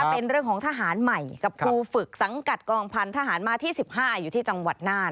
เป็นเรื่องของทหารใหม่กับครูฝึกสังกัดกองพันธหารมาที่๑๕อยู่ที่จังหวัดน่าน